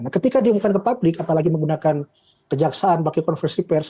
nah ketika diumumkan ke publik apalagi menggunakan kejaksaan pakai konversi pers